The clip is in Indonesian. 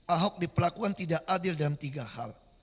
ahok diperlakukan tidak adil dalam tiga hal